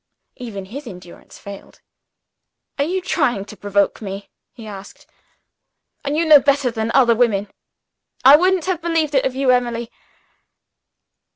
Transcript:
Even his endurance failed. "Are you trying to provoke me?" he asked. "Are you no better than other women? I wouldn't have believed it of you, Emily."